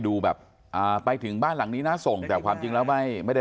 ดูแบบอ่าไปถึงบ้านหลังนี้นะส่งแต่ความจริงแล้วไม่ไม่ได้